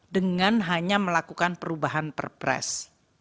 dengan hanya melakukan perubahan perpres